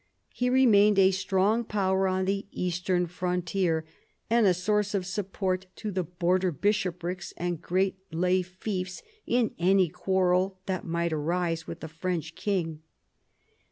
He remained a strong power on the eastern frontier, and a source of support to the border bishoprics and great lay fiefs in any quarrel that might arise with the French king.